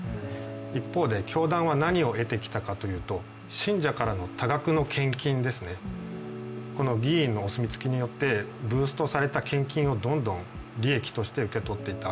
一方で教団は何を得てきたかというと信者からの多額の献金ですねこの議員のお墨付きによってブーストされた献金を、どんどん利益として受け取っていった。